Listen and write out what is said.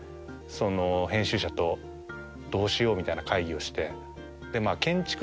編集者とどうしよう？みたいな会議をして。